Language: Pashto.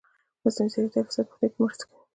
مصنوعي ځیرکتیا د فساد مخنیوي کې مرسته کوي.